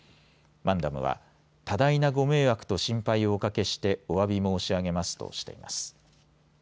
マンダムは多大なご迷惑と心配をおかけしておわび申し上げますとしています。